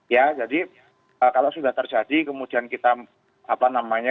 ya jadi kalau sudah terjadi kemudian kita apa namanya